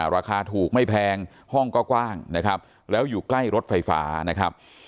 ราคาถูกไม่แพงห้องก็กว้างนะครับแล้วอยู่ใกล้รถไฟฟ้านะครับ